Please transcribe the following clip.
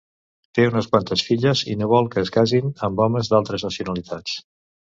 Té unes quantes filles i no vol que es casin amb homes d'altres nacionalitats.